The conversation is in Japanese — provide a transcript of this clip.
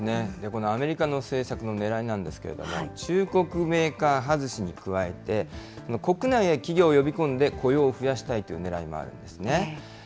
このアメリカの政策のねらいなんですけれども、中国メーカーはずしに加えて、国内へ企業を呼び込んで雇用を増やしたいというねらいもあるんですね。